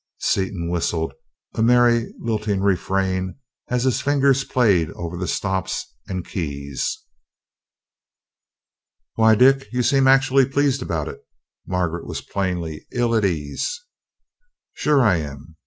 Seaton whistled a merry lilting refrain as his fingers played over the stops and keys. "Why, Dick, you seem actually pleased about it." Margaret was plainly ill at ease. "Sure am.